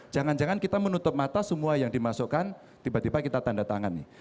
jangan jangan kita menutup mata semua yang dimasukkan tiba tiba kita tanda tangan nih